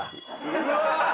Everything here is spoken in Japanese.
うわ！